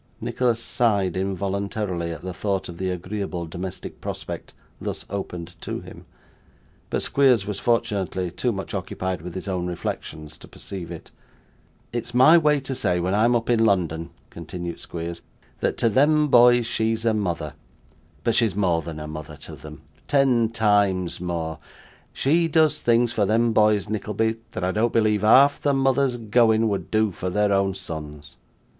Nicholas sighed involuntarily at the thought of the agreeable domestic prospect thus opened to him; but Squeers was, fortunately, too much occupied with his own reflections to perceive it. 'It's my way to say, when I am up in London,' continued Squeers, 'that to them boys she is a mother. But she is more than a mother to them; ten times more. She does things for them boys, Nickleby, that I don't believe half the mothers going, would do for their own sons.